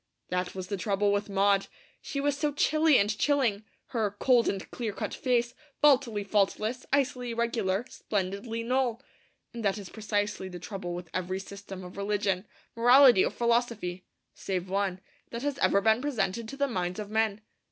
That was the trouble with Maud, she was so chilly and chilling; her 'cold and clear cut face, faultily faultless, icily regular, splendidly null!' And that is precisely the trouble with every system of religion, morality, or philosophy save one that has ever been presented to the minds of men.